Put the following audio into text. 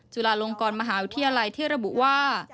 จุฬาลงกรมหาวิทยาลัยที่ระบุว่า